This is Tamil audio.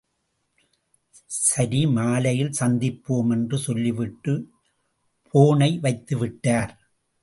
சரி மாலையில் சந்திப்போம் என்று சொல்லிவிட்டு போனை வைத்துவிட்டார்.